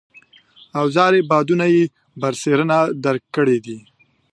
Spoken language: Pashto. اوزاري بعدونه یې برسېرن درک کړي دي.